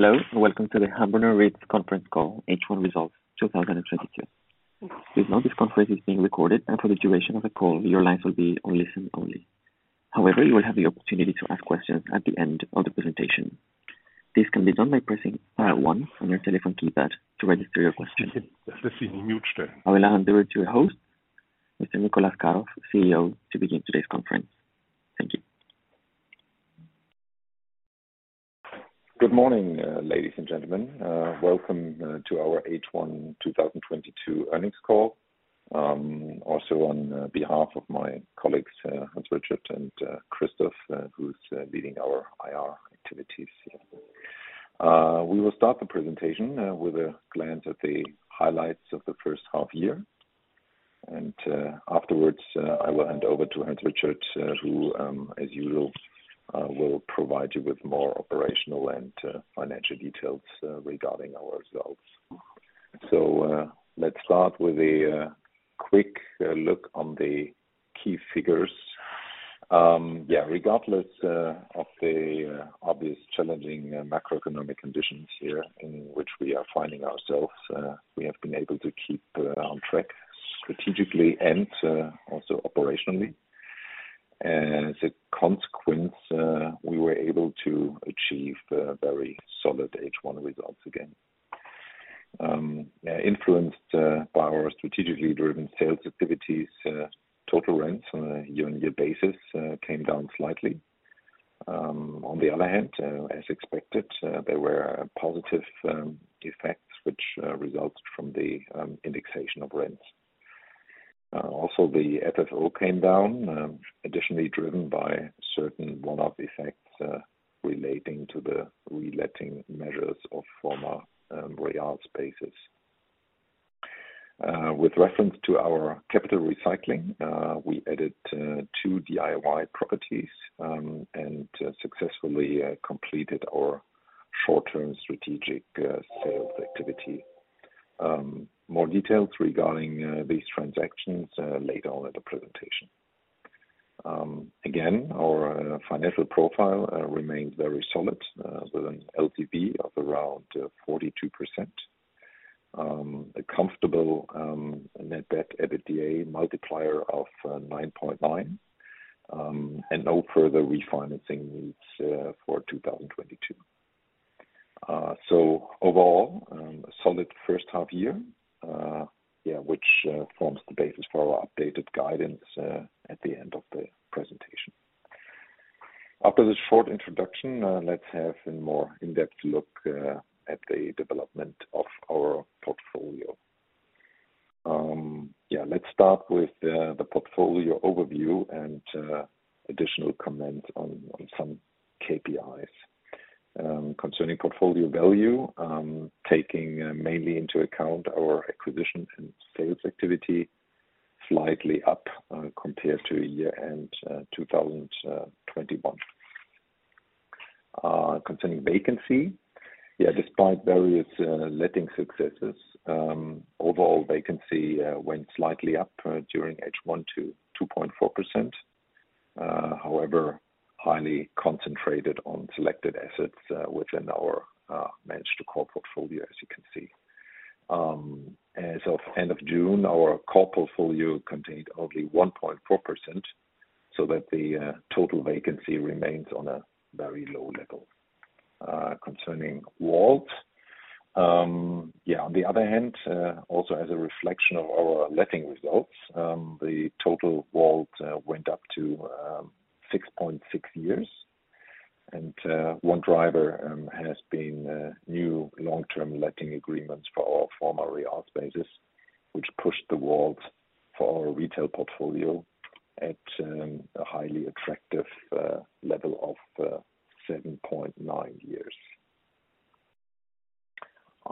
Hello, and welcome to the Hamborner REIT Conference Call H1 Results 2022. Please note this conference is being recorded and for the duration of the call, your lines will be on listen only. However, you will have the opportunity to ask questions at the end of the presentation. This can be done by pressing dial one on your telephone keypad to register your question. I will hand over to your host, Mr. Niclas Karoff, CEO, to begin today's conference. Thank you. Good morning, ladies and gentlemen. Welcome to our H1 2022 Earnings Call. Also on behalf of my colleagues, Hans Richard Schmitz and Christoph, who's leading our IR activities here. We will start the presentation with a glance at the highlights of the first half year. Afterwards, I will hand over to Hans Richard Schmitz, who, as usual, will provide you with more operational and financial details regarding our results. Let's start with a quick look at the key figures. Regardless of the obvious challenging macroeconomic conditions here in which we are finding ourselves, we have been able to keep on track strategically and also operationally. As a consequence, we were able to achieve very solid H1 results again. Influenced by our strategically driven sales activities, total rents on a year-on-year basis came down slightly. On the other hand, as expected, there were positive effects which result from the indexation of rents. Also the FFO came down, additionally driven by certain one-off effects, relating to the reletting measures of former real spaces. With reference to our capital recycling, we added two DIY properties and successfully completed our short-term strategic sales activity. More details regarding these transactions later on in the presentation. Again, our financial profile remains very solid, with an LTV of around 42%. A comfortable net debt EBITDA multiplier of 9.9 and no further refinancing needs for 2022. Overall, a solid first half year, which forms the basis for our updated guidance at the end of the presentation. After this short introduction, let's have a more in-depth look at the development of our portfolio. Let's start with the portfolio overview and additional comments on some KPIs. Concerning portfolio value, taking mainly into account our acquisition and sales activity slightly up compared to year-end 2021. Concerning vacancy, despite various letting successes, overall vacancy went slightly up during H1 to 2.4%, however, highly concentrated on selected assets within our managed core portfolio, as you can see. As of end of June, our core portfolio contained only 1.4%, so that the total vacancy remains on a very low level. Concerning WALT, on the other hand, also as a reflection of our letting results, the total WALT went up to 6.6 years. One driver has been new long-term letting agreements for our former real spaces, which pushed the WALT for our retail portfolio at a highly attractive level of 7.9 years.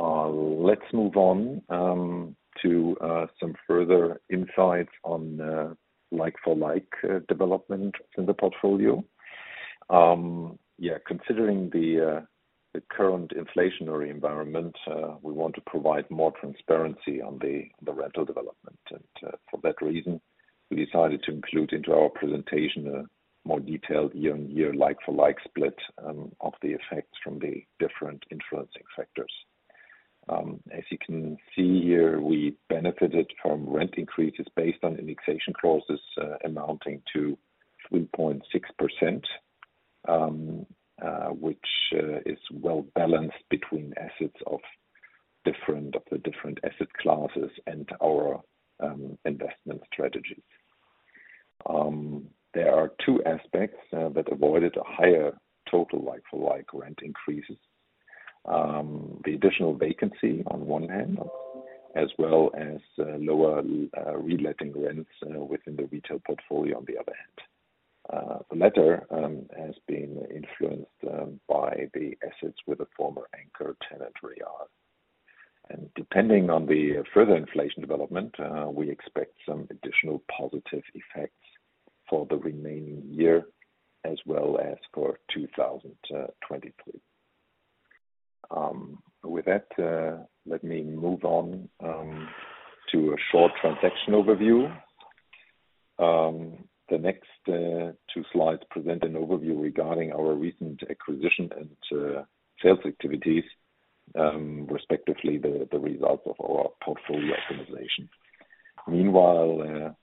Let's move on to some further insights on like-for-like development in the portfolio. Considering the the current inflationary environment, we want to provide more transparency on the the rental development. For that reason, we decided to include into our presentation a more detailed year-on-year like-for-like split of the effects from the different influencing factors. As you can see here, we benefited from rent increases based on indexation clauses amounting to 3.6%, which is well-balanced between assets of the different asset classes and our investment strategies. There are two aspects that avoided a higher total like-for-like rent increases. The additional vacancy on one hand, as well as lower reletting rents within the retail portfolio on the other hand. The latter has been influenced by the assets with a former anchor tenant real. Depending on the further inflation development, we expect some additional positive effects for the remaining year as well as for 2023. With that, let me move on to a short transaction overview. The next two slides present an overview regarding our recent acquisitions and sales activities, respectively, the results of our portfolio optimization. Meanwhile,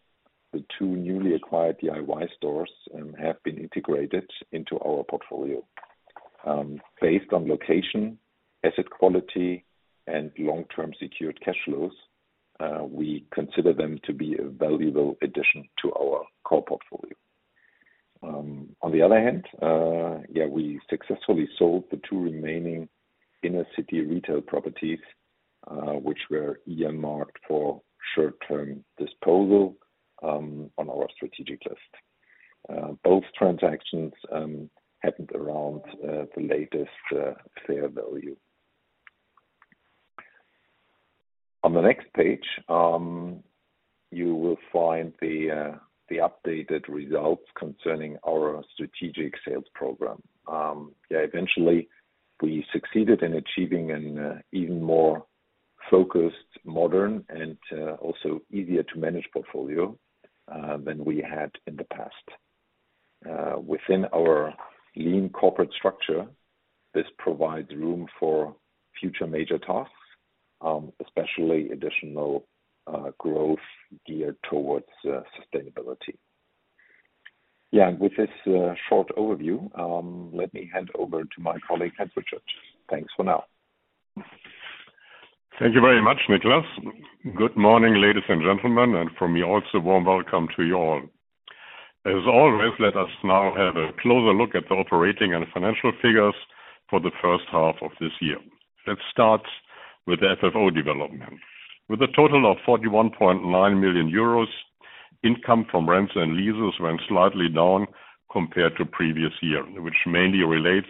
the two newly acquired DIY stores have been integrated into our portfolio. Based on location, asset quality, and long-term secured cash flows, we consider them to be a valuable addition to our core portfolio. On the other hand, we successfully sold the two remaining inner city retail properties, which were earmarked for short-term disposal, on our strategic list. Both transactions happened around the latest fair value. On the next page, you will find the updated results concerning our strategic sales program. Yeah, eventually we succeeded in achieving an even more focused, modern, and also easier to manage portfolio than we had in the past. Within our lean corporate structure, this provides room for future major tasks, especially additional growth geared towards sustainability. Yeah, with this short overview, let me hand over to my colleague, Hans Richard. Thanks for now. Thank you very much, Niclas. Good morning, ladies and gentlemen, and from me also, warm welcome to you all. As always, let us now have a closer look at the operating and financial figures for the first half of this year. Let's start with FFO development. With a total of 41.9 million euros, income from rents and leases went slightly down compared to previous year, which mainly relates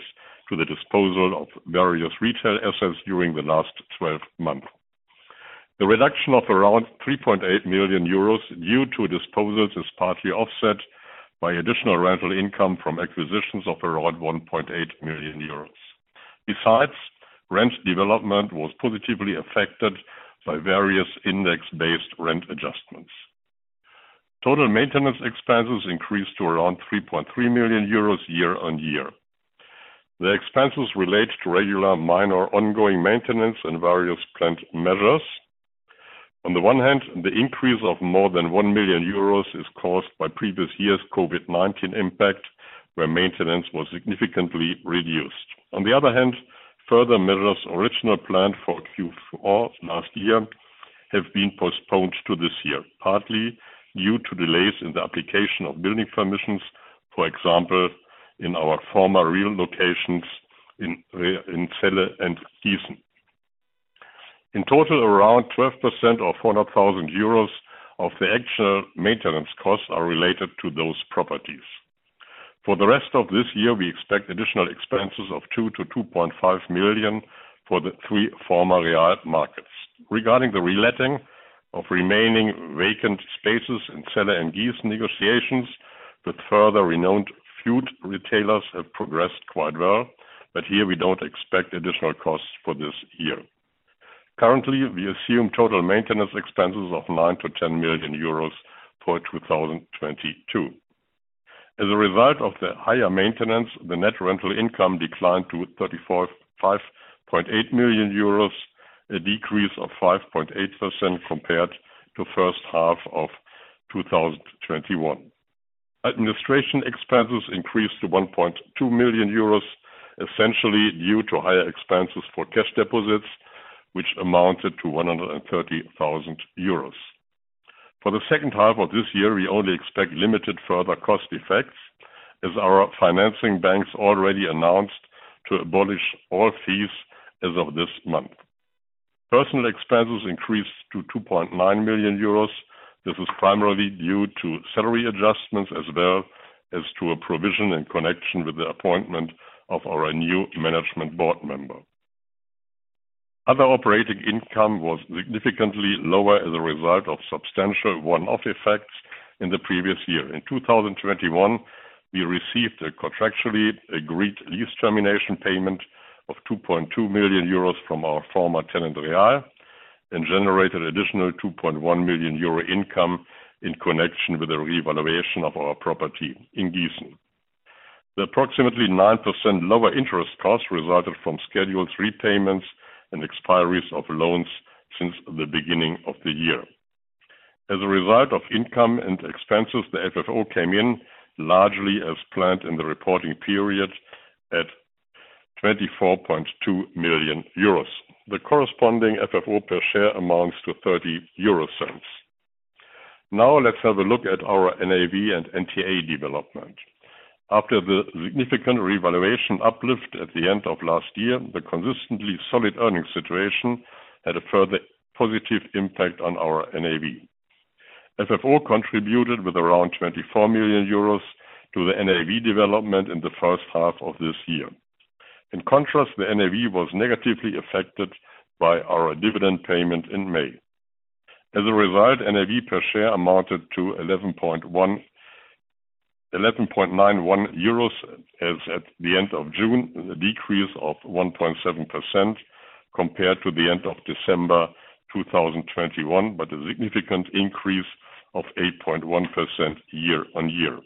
to the disposal of various retail assets during the last 12 months. The reduction of around 3.8 million euros due to disposals is partly offset by additional rental income from acquisitions of around 1.8 million euros. Besides, rent development was positively affected by various index-based rent adjustments. Total maintenance expenses increased to around 3.3 million euros year-on-year. The expenses relate to regular minor ongoing maintenance and various planned measures. On the one hand, the increase of more than 1 million euros is caused by previous year's COVID-19 impact, where maintenance was significantly reduced. On the other hand, further measures originally planned for Q4 last year have been postponed to this year, partly due to delays in the application of building permissions, for example, in our former real locations in Celle and Gießen. In total, around 12% of 400,000 euros of the actual maintenance costs are related to those properties. For the rest of this year, we expect additional expenses of 2 million-2.5 million for the three former real markets. Regarding the reletting of remaining vacant spaces in Celle and Giessen, negotiations with further renowned food retailers have progressed quite well, but here we don't expect additional costs for this year. Currently, we assume total maintenance expenses of 9-10 million euros for 2022. As a result of the higher maintenance, the net rental income declined to 34.58 million euros, a decrease of 5.8% compared to first half of 2021. Administration expenses increased to 1.2 million euros, essentially due to higher expenses for cash deposits, which amounted to 130,000 euros. For the second half of this year, we only expect limited further cost effects as our financing banks already announced to abolish all fees as of this month. Personnel expenses increased to 2.9 million euros. This is primarily due to salary adjustments as well as to a provision in connection with the appointment of our new management board member. Other operating income was significantly lower as a result of substantial one-off effects in the previous year. In 2021, we received a contractually agreed lease termination payment of 2.2 million euros from our former tenant, real, and generated additional 2.1 million euro income in connection with the revaluation of our property in Gießen. The approximately 9% lower interest costs resulted from scheduled repayments and expiries of loans since the beginning of the year. As a result of income and expenses, the FFO came in largely as planned in the reporting period at 24.2 million euros. The corresponding FFO per share amounts to 0.30. Now let's have a look at our NAV and NTA development. After the significant revaluation uplift at the end of last year, the consistently solid earning situation had a further positive impact on our NAV. FFO contributed with around 24 million euros to the NAV development in the first half of this year. In contrast, the NAV was negatively affected by our dividend payment in May. As a result, NAV per share amounted to 11.91 euros as at the end of June, a decrease of 1.7% compared to the end of December 2021, but a significant increase of 8.1% year-on-year.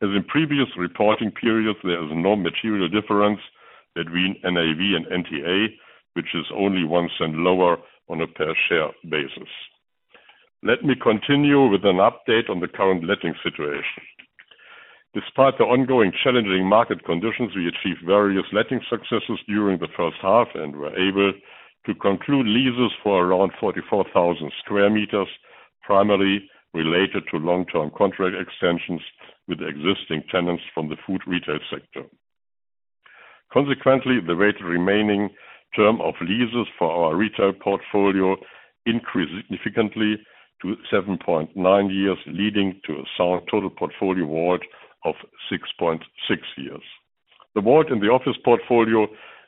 As in previous reporting periods, there is no material difference between NAV and NTA, which is only 0.01 lower on a per share basis. Let me continue with an update on the current letting situation. Despite the ongoing challenging market conditions, we achieved various letting successes during the first half and were able to conclude leases for around 44,000 sq m, primarily related to long-term contract extensions with existing tenants from the food retail sector. Consequently, the average remaining term of leases for our retail portfolio increased significantly to 7.9 years, leading to a sound total portfolio WALT of 6.6 years. The WALT in the office portfolio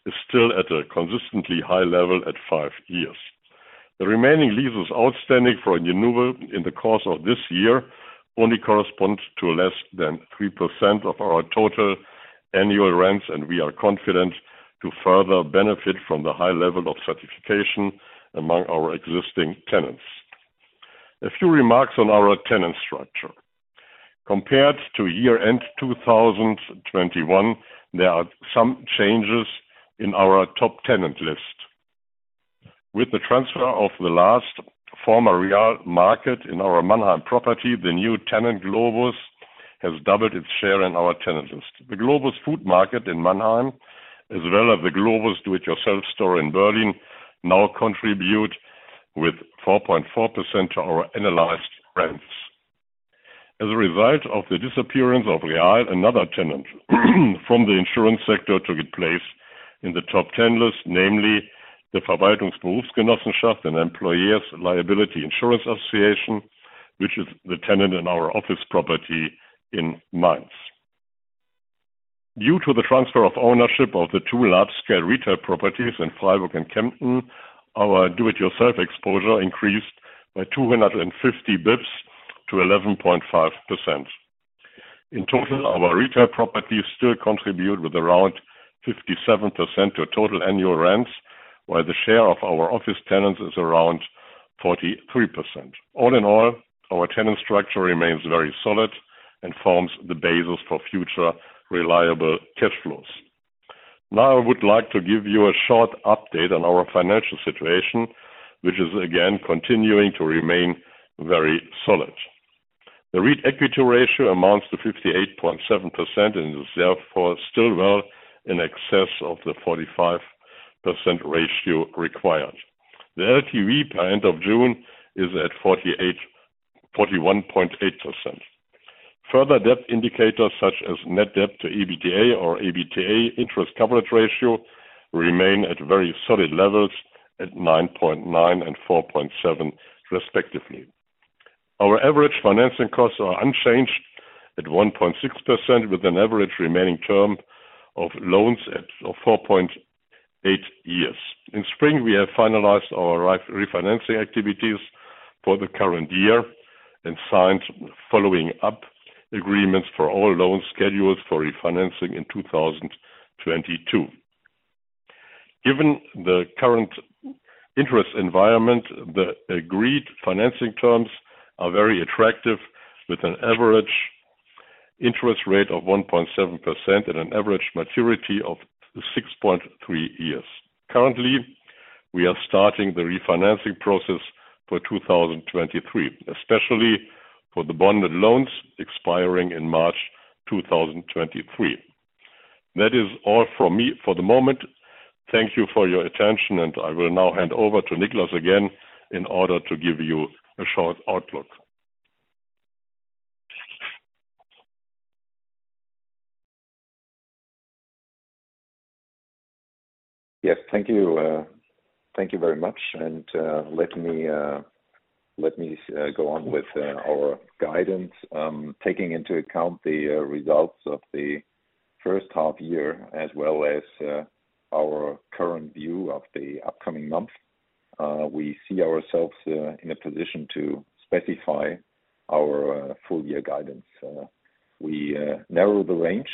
is still at a consistently high level at five years. The remaining leases outstanding for renewal in the course of this year only correspond to less than 3% of our total annual rents, and we are confident to further benefit from the high level of retention among our existing tenants. A few remarks on our tenant structure. Compared to year-end 2021, there are some changes in our top tenant list. With the transfer of the last former Real market in our Mannheim property, the new tenant, Globus, has doubled its share in our tenant list. The Globus food market in Mannheim, as well as the Globus do it yourself store in Berlin, now contribute with 4.4% to our analyzed rents. As a result of the disappearance of Real, another tenant from the insurance sector took its place in the top 10 list, namely the Verwaltungsberufsgenossenschaft, an employees liability insurance association, which is the tenant in our office property in Mainz. Due to the transfer of ownership of the two large-scale retail properties in Freiburg and Kempten, our do it yourself exposure increased by 250 basis points to 11.5%. In total, our retail properties still contribute with around 57% to total annual rents, while the share of our office tenants is around 43%. All in all, our tenant structure remains very solid and forms the basis for future reliable cash flows. Now I would like to give you a short update on our financial situation, which is again continuing to remain very solid. The REIT equity ratio amounts to 58.7% and is therefore still well in excess of the 45% ratio required. The LTV by end of June is at 41.8%. Further debt indicators such as net debt to EBITDA or EBITDA interest coverage ratio remain at very solid levels at 9.9% and 4.7% respectively. Our average financing costs are unchanged at 1.6%, with an average remaining term of loans at 4.8 years. In spring, we have finalized our refinancing activities for the current year and signed follow-up agreements for all loan schedules for refinancing in 2022. Given the current interest environment, the agreed financing terms are very attractive, with an average interest rate of 1.7% and an average maturity of 6.3 years. Currently, we are starting the refinancing process for 2023, especially for the bonded loans expiring in March 2023. That is all from me for the moment. Thank you for your attention, and I will now hand over to Niclas again in order to give you a short outlook. Yes. Thank you. Thank you very much. Let me go on with our guidance. Taking into account the results of the first half year as well as our current view of the upcoming month, we see ourselves in a position to specify our full year guidance. We narrow the range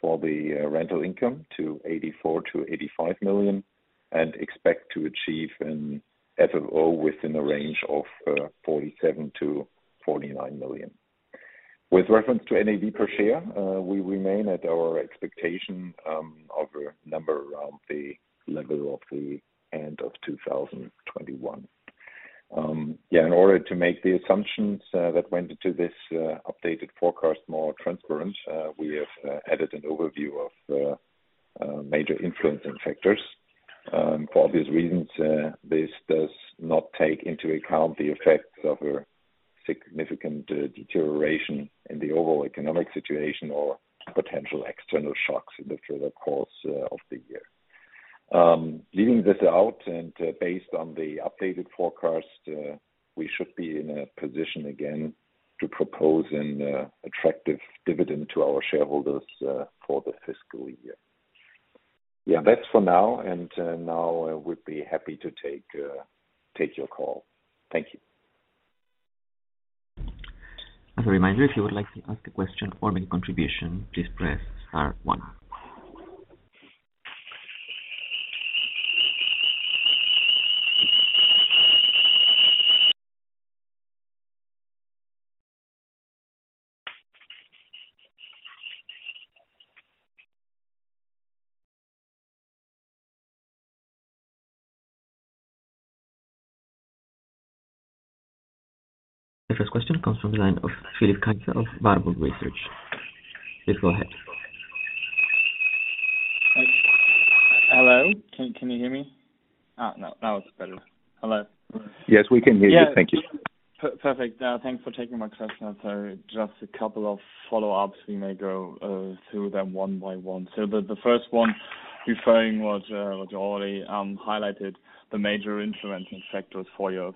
for the rental income to 84 million-85 million and expect to achieve an FFO within a range of 47 million-49 million. With reference to NAV per share, we remain at our expectation of a number around the level of the end of 2021. Yeah, in order to make the assumptions that went into this updated forecast more transparent, we have added an overview of major influencing factors. For obvious reasons, this does not take into account the effects of a significant deterioration in the overall economic situation or potential external shocks in the further course of the year. Leaving this out and, based on the updated forecast, we should be in a position again to propose an attractive dividend to our shareholders for the fiscal year. Yeah, that's for now. Now we'd be happy to take your call. Thank you. As a reminder, if you would like to ask a question or make a contribution, please press star one. The first question comes from the line of Philipp Kaiser of Warburg Research. Please go ahead. Hello, can you hear me? No. Now it's better. Hello. Yes, we can hear you. Thank you. Yeah. Perfect. Thanks for taking my question. Just a couple of follow-ups. We may go through them one by one. The first one referring what you already highlighted, the major influencing factors for your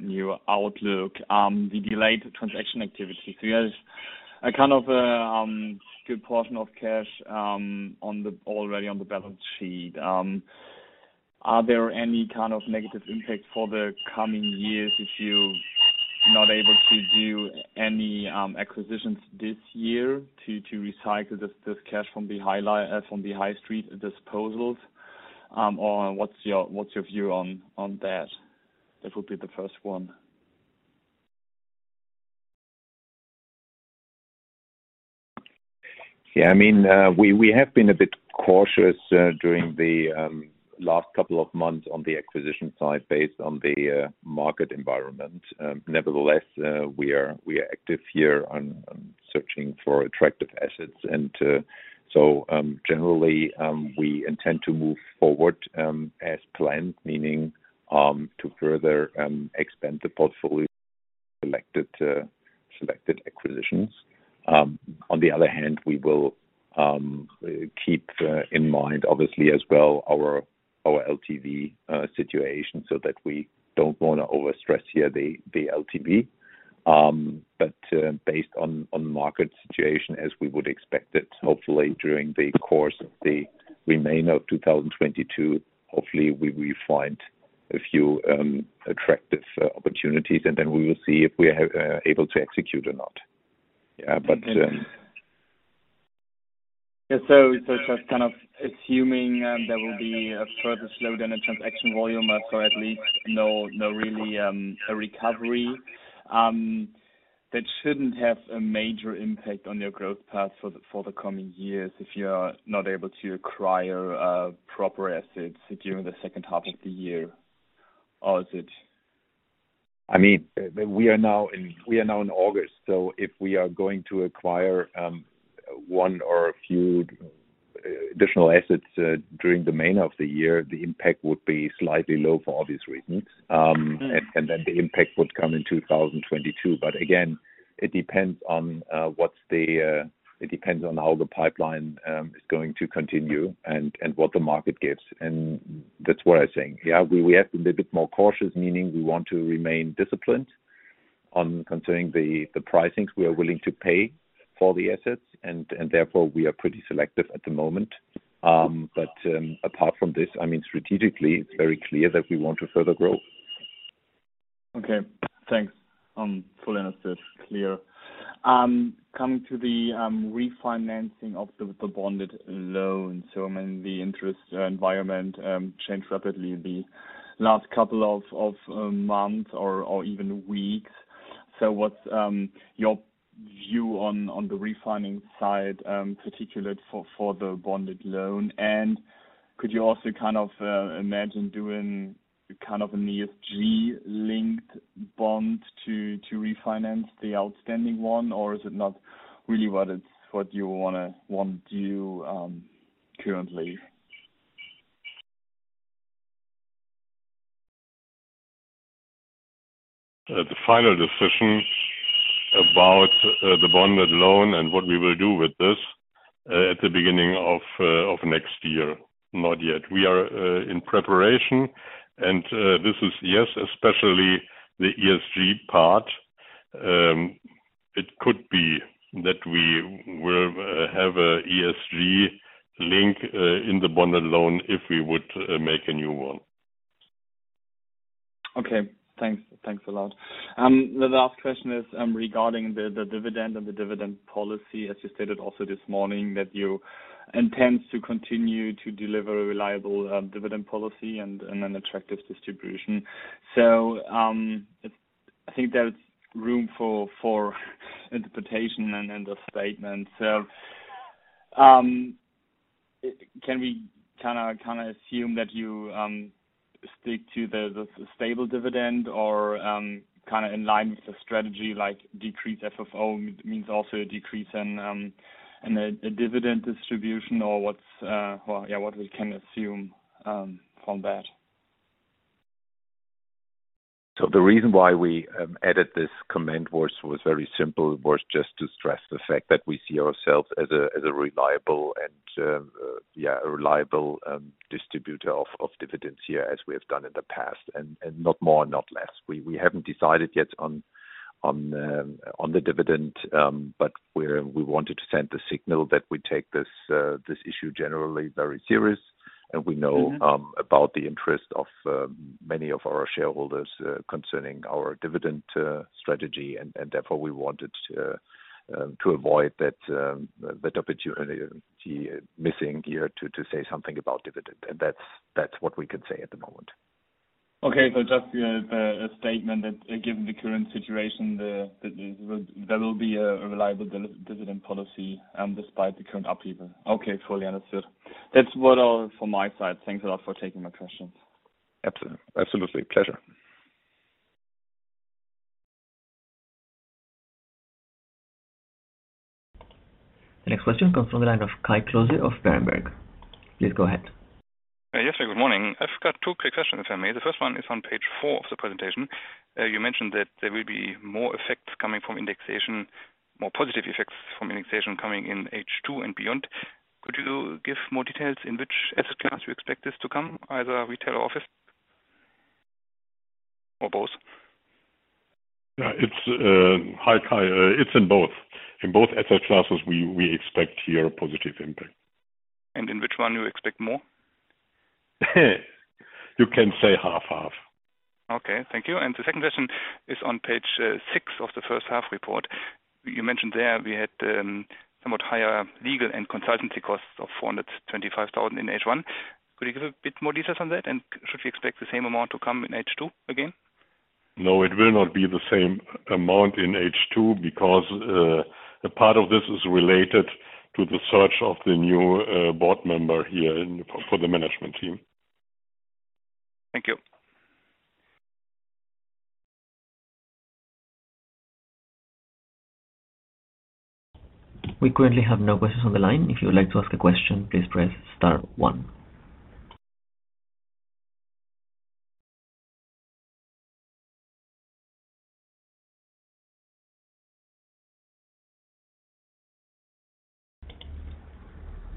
new outlook, the delayed transaction activity. You guys a kind of good portion of cash already on the balance sheet. Are there any kind of negative impact for the coming years if you're not able to do any acquisitions this year to recycle this cash from the high street disposals? Or what's your view on that? That would be the first one. Yeah, I mean, we have been a bit cautious during the last couple of months on the acquisition side based on the market environment. Nevertheless, we are active here on searching for attractive assets. Generally, we intend to move forward as planned, meaning to further expand the portfolio selected acquisitions. On the other hand, we will keep in mind obviously as well our LTV situation so that we don't wanna overstress here the LTV. Based on market situation as we would expect it, hopefully during the course of the remainder of 2022, hopefully we will find a few attractive opportunities, and then we will see if we are able to execute or not. Uh, but, um- Just kind of assuming there will be a further slowdown in transaction volume or so, at least no real recovery, that shouldn't have a major impact on your growth path for the coming years if you are not able to acquire proper assets during the second half of the year. Or is it? I mean, we are now in August, so if we are going to acquire one or a few additional assets during the remainder of the year, the impact would be slightly low for obvious reasons. Then the impact would come in 2022. Again, it depends on how the pipeline is going to continue and what the market gives. That's what I'm saying. Yeah, we have to be a bit more cautious, meaning we want to remain disciplined on considering the pricings we are willing to pay for the assets and therefore we are pretty selective at the moment. Apart from this, I mean, strategically it's very clear that we want to further grow. Okay, thanks. Fully understood. Clear. Coming to the refinancing of the bonded loan, I mean, the interest environment changed rapidly in the last couple of months or even weeks. What's your view on the refinancing side, particularly for the bonded loan? And could you also kind of imagine doing kind of an ESG linked bond to refinance the outstanding one? Or is it not really what you want to do currently? The final decision about the bonded loan and what we will do with this at the beginning of next year. Not yet. We are in preparation and this is yes especially the ESG part. It could be that we will have a ESG link in the bonded loan if we would make a new one. Okay. Thanks. Thanks a lot. The last question is regarding the dividend and the dividend policy. As you stated also this morning that you intend to continue to deliver a reliable dividend policy and an attractive distribution. I think there's room for interpretation and the statement. Can we kinda assume that you stick to the stable dividend or kinda in line with the strategy, like decrease FFO means also a decrease in the dividend distribution or what, well, yeah, what we can assume on that? The reason why we added this comment was very simple, just to stress the fact that we see ourselves as a reliable distributor of dividends here as we have done in the past, and not more, not less. We haven't decided yet on the dividend, but we wanted to send the signal that we take this issue generally very serious. We know about the interest of many of our shareholders concerning our dividend strategy. Therefore we wanted to avoid that opportunity missing here to say something about dividend. That's what we can say at the moment. Okay. Just the statement that given the current situation that there will be a reliable dividend policy, despite the current upheaval. Okay, fully understood. That's all from my side. Thanks a lot for taking my questions. Absolutely. Pleasure. The next question comes from the line of Kai Klose of Berenberg. Please go ahead. Yes, sir. Good morning. I've got two quick questions for me. The first one is on page four of the presentation. You mentioned that there will be more effects coming from indexation, more positive effects from indexation coming in H2 and beyond. Could you give more details in which asset class you expect this to come, either retail or office? Or both? Yeah. It's hi Kai, it's in both. In both asset classes we expect here a positive impact. In which one you expect more? You can say half-half. Okay, thank you. The second question is on page six of the first half report. You mentioned there we had somewhat higher legal and consultancy costs of 425,000 in H1. Could you give a bit more details on that? Should we expect the same amount to come in H2 again? No, it will not be the same amount in H2 because a part of this is related to the search of the new board member for the management team. Thank you. We currently have no questions on the line. If you would like to ask a question, please press star one.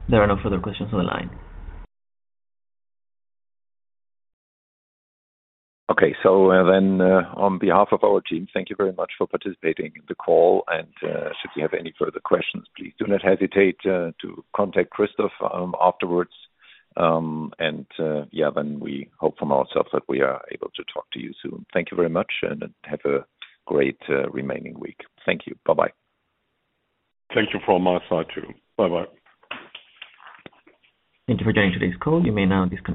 There are no further questions on the line. Okay. On behalf of our team, thank you very much for participating in the call. Should you have any further questions, please do not hesitate to contact Christoph afterwards. We hope from ourselves that we are able to talk to you soon. Thank you very much and have a great remaining week. Thank you. Bye-bye. Thank you from my side, too. Bye-bye.